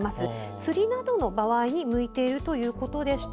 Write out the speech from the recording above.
釣りなどの場合に向いているということでした。